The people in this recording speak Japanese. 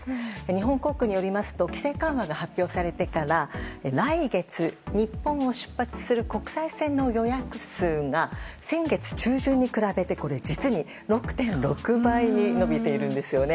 日本航空によりますと規制緩和が発表されてから来月、日本を出発する国際線の予約数が先月中旬に比べて実に６．６倍に伸びているんです。